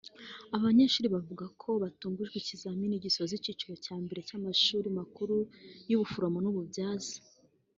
Aba banyeshuri bavuga ko batungujwe ikizamini gisoza icyiciro cya mbere cy’amashuri makuru y’ubuforomo n’ububyaza